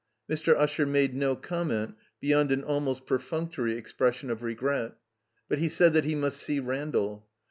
Mr. Usher made no comment beyond an almost perfunctory expression of regret. But he said that he must see Randall.